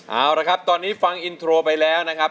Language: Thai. เอาละครับตอนนี้ฟังอินโทรไปแล้วนะครับ